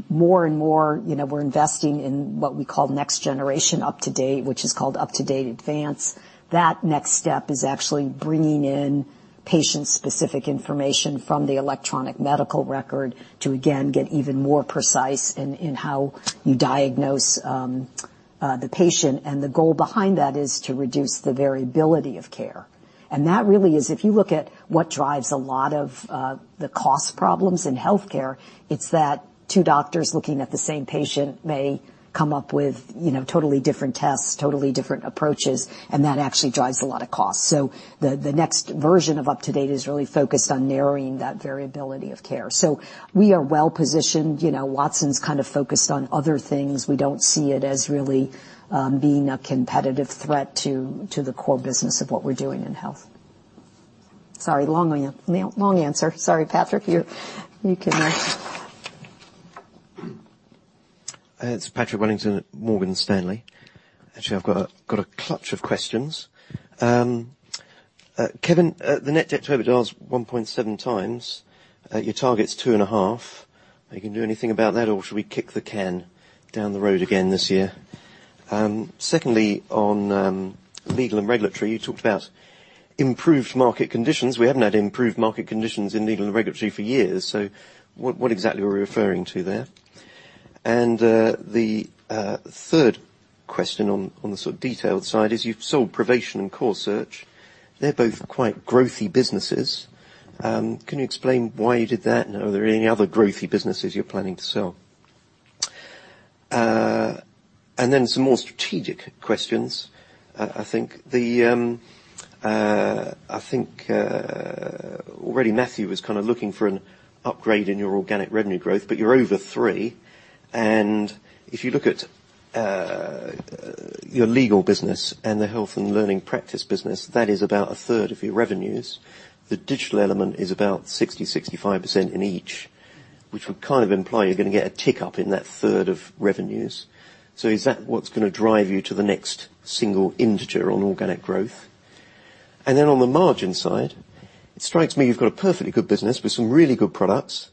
More and more, we're investing in what we call next generation UpToDate, which is called UpToDate Advanced. That next step is actually bringing in patient-specific information from the electronic medical record to, again, get even more precise in how you diagnose the patient, the goal behind that is to reduce the variability of care. That really is, if you look at what drives a lot of the cost problems in healthcare, it's that two doctors looking at the same patient may come up with totally different tests, totally different approaches, and that actually drives a lot of cost. The next version of UpToDate is really focused on narrowing that variability of care. We are well-positioned. Watson's kind of focused on other things. We don't see it as really being a competitive threat to the core business of what we're doing in health. Sorry, long answer. Sorry, Patrick, you can ask.
It's Patrick Wellington at Morgan Stanley. Actually, I've got a clutch of questions. Kevin, the net debt to EBITDA is 1.7 times. Your target's 2.5. Are you going to do anything about that, or should we kick the can down the road again this year? Secondly, on Legal & Regulatory, you talked about improved market conditions. We haven't had improved market conditions in Legal & Regulatory for years. What exactly are we referring to there? The third question on the sort of detailed side is you've sold ProVation and Corsearch. They're both quite growthy businesses. Can you explain why you did that? Are there any other growthy businesses you're planning to sell? Some more strategic questions. I think already Matthew was kind of looking for an upgrade in your organic revenue growth, but you're over three, and if you look at your legal business and the health and learning practice business, that is about a third of your revenues. The digital element is about 60%, 65% in each, which would kind of imply you're going to get a tick up in that third of revenues. Is that what's going to drive you to the next single integer on organic growth? On the margin side, it strikes me you've got a perfectly good business with some really good products,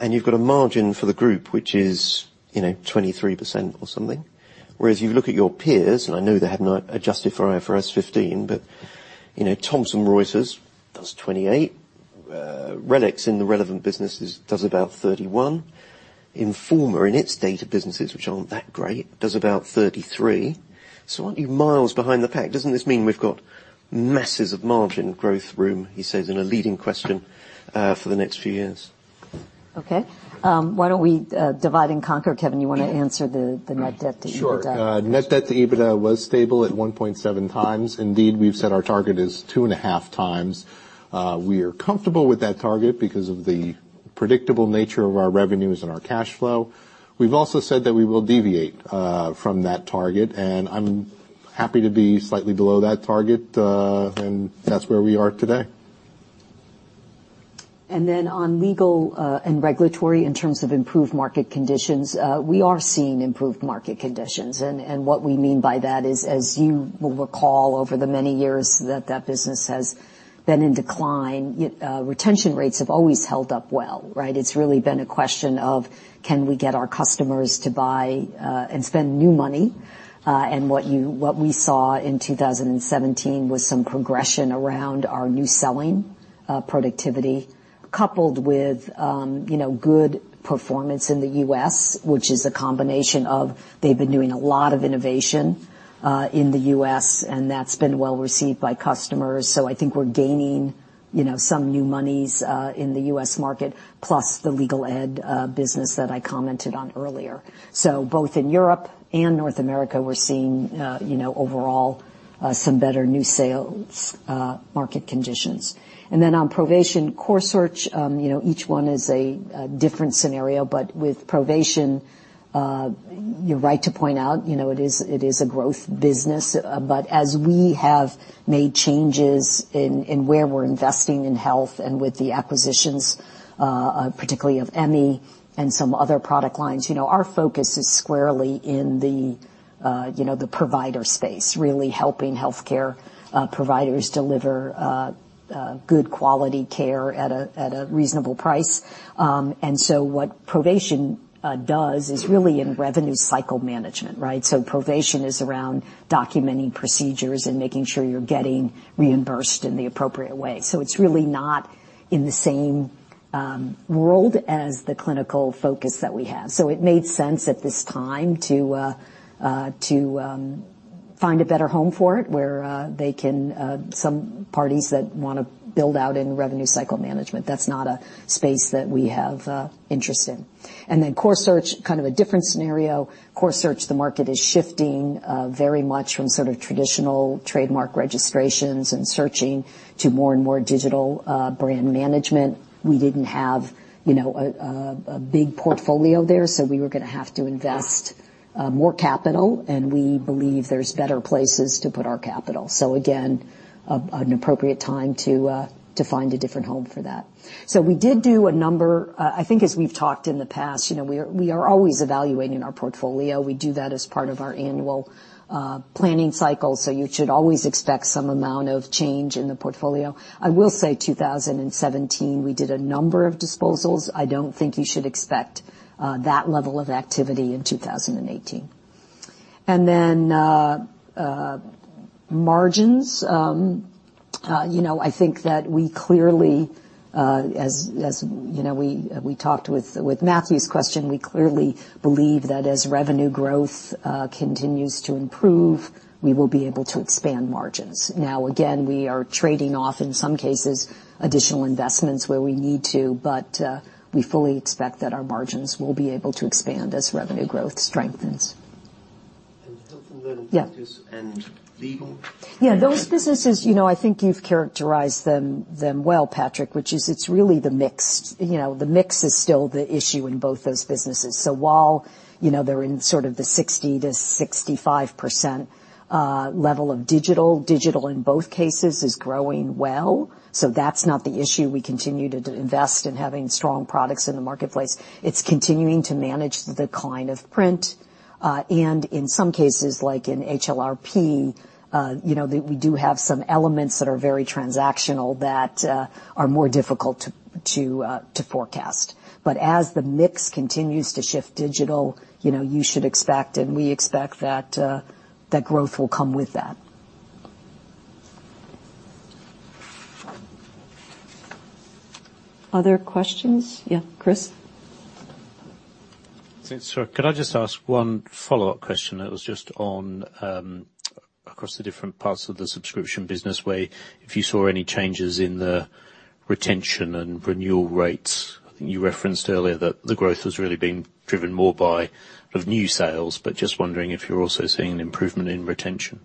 and you've got a margin for the group, which is 23% or something. Whereas you look at your peers, and I know they haven't adjusted for IFRS 15, but Thomson Reuters does 28. RELX in the relevant businesses does about 31. Informa in its data businesses, which aren't that great, does about 33. Aren't you miles behind the pack? Doesn't this mean we've got masses of margin growth room, he says in a leading question, for the next few years?
Okay. Why don't we divide and conquer? Kevin, you want to answer the net debt to EBITDA?
Sure. Net debt to EBITDA was stable at 1.7 times. Indeed, we've said our target is two and a half times. We are comfortable with that target because of the predictable nature of our revenues and our cash flow. We've also said that we will deviate from that target, I'm happy to be slightly below that target. That's where we are today.
On Legal & Regulatory in terms of improved market conditions, we are seeing improved market conditions, what we mean by that is, as you will recall over the many years that that business has been in decline, retention rates have always held up well, right? It's really been a question of, can we get our customers to buy and spend new money? What we saw in 2017 was some progression around our new selling productivity, coupled with good performance in the U.S., which is a combination of they've been doing a lot of innovation in the U.S., and that's been well-received by customers. I think we're gaining some new monies in the U.S. market, plus the legal ed business that I commented on earlier. Both in Europe and North America, we're seeing overall some better new sales market conditions. On ProVation Corsearch, each one is a different scenario. With ProVation, you're right to point out, it is a growth business. As we have made changes in where we're investing in health and with the acquisitions, particularly of Emmi and some other product lines, our focus is squarely in the provider space, really helping healthcare providers deliver good quality care at a reasonable price. What ProVation does is really in revenue cycle management, right? ProVation is around documenting procedures and making sure you're getting reimbursed in the appropriate way. It's really not in the same world as the clinical focus that we have. It made sense at this time to find a better home for it where some parties that want to build out in revenue cycle management. That's not a space that we have interest in. Corsearch, kind of a different scenario. Corsearch, the market is shifting very much from sort of traditional trademark registrations and searching to more and more digital brand management. We didn't have a big portfolio there, so we were going to have to invest more capital, and we believe there's better places to put our capital. Again, an appropriate time to find a different home for that. We did do. I think as we've talked in the past, we are always evaluating our portfolio. We do that as part of our annual planning cycle, so you should always expect some amount of change in the portfolio. I will say 2017, we did a number of disposals. I don't think you should expect that level of activity in 2018. Margins. I think that we clearly, as we talked with Matthew's question, we clearly believe that as revenue growth continues to improve, we will be able to expand margins. Now, again, we are trading off, in some cases, additional investments where we need to, but we fully expect that our margins will be able to expand as revenue growth strengthens.
Health and learning-
Yeah
Practice and legal?
Those businesses, I think you've characterized them well, Patrick, which is it's really the mix. The mix is still the issue in both those businesses. So while they're in sort of the 60%-65% level of digital in both cases is growing well. That's not the issue. We continue to invest in having strong products in the marketplace. It's continuing to manage the decline of print. And in some cases, like in HLRP, we do have some elements that are very transactional that are more difficult to forecast. But as the mix continues to shift digital, you should expect, and we expect that growth will come with that. Other questions? Chris?
Thanks, Sara. Could I just ask one follow-up question that was just on across the different parts of the subscription business, where if you saw any changes in the retention and renewal rates? I think you referenced earlier that the growth has really been driven more by new sales, just wondering if you're also seeing an improvement in retention.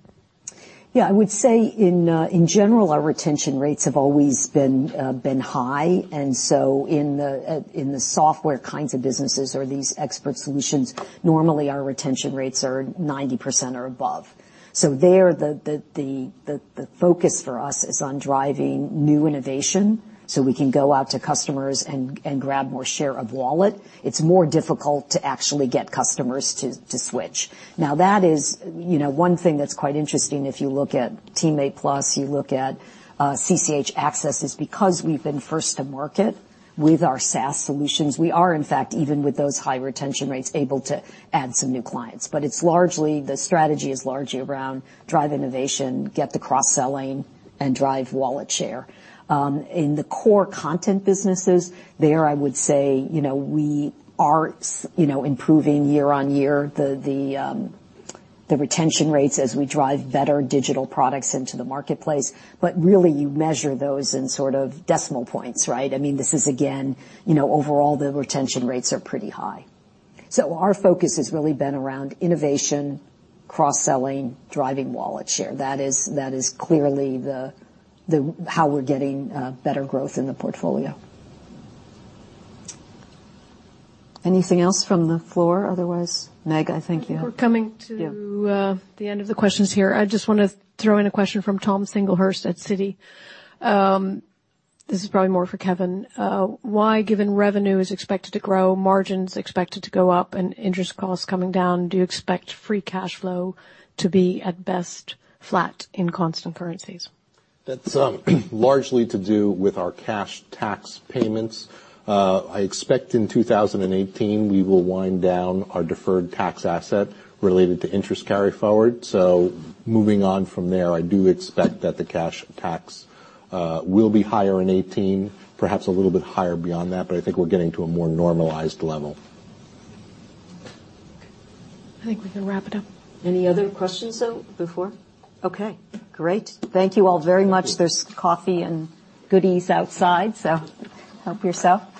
I would say in general, our retention rates have always been high, and so in the software kinds of businesses or these expert solutions, normally our retention rates are 90% or above. So there, the focus for us is on driving new innovation so we can go out to customers and grab more share of wallet. It's more difficult to actually get customers to switch. Now, that is one thing that's quite interesting if you look at TeamMate+, you look at CCH Axcess, is because we've been first to market with our SaaS solutions, we are, in fact, even with those high retention rates, able to add some new clients. But the strategy is largely around drive innovation, get the cross-selling, and drive wallet share. In the core content businesses, there, I would say, we are improving year-on-year, the retention rates as we drive better digital products into the marketplace. Really, you measure those in sort of decimal points, right? This is, again, overall, the retention rates are pretty high. So our focus has really been around innovation, cross-selling, driving wallet share. That is clearly how we're getting better growth in the portfolio. Anything else from the floor? Otherwise, Meg, I think you have.
I think we're coming.
Yeah
the end of the questions here. I just want to throw in a question from Tom Singlehurst at Citi. This is probably more for Kevin. Why, given revenue is expected to grow, margins expected to go up, and interest costs coming down, do you expect free cash flow to be at best flat in constant currencies?
That's largely to do with our cash tax payments. I expect in 2018, we will wind down our deferred tax asset related to interest carry forward. Moving on from there, I do expect that the cash tax will be higher in 2018, perhaps a little bit higher beyond that, but I think we're getting to a more normalized level.
I think we can wrap it up.
Any other questions, though, before? Okay, great. Thank you all very much. There's coffee and goodies outside, so help yourself.